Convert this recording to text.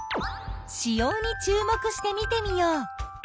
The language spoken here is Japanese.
子葉に注目して見てみよう。